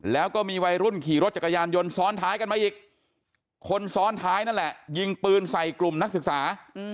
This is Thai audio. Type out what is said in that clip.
แล้วก็มีวัยรุ่นขี่รถจักรยานยนต์ซ้อนท้ายกันมาอีกคนซ้อนท้ายนั่นแหละยิงปืนใส่กลุ่มนักศึกษา